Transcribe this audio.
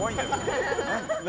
「何？